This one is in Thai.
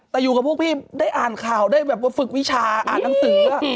แต่อยู่กับพี่ได้อ่านข่าวฝึกวิชาอ่านหนังสือ